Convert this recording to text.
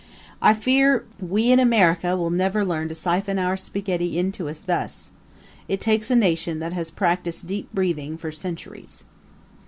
I fear we in America will never learn to siphon our spaghetti into us thus. It takes a nation that has practiced deep breathing for centuries.